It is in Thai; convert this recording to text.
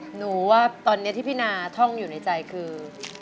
หนูว่าตอนนี้ที่พี่นาท่องอยู่ในใจคือ